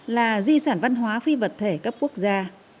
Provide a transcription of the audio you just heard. là di sản văn hóa phi vật thể cấp quốc gia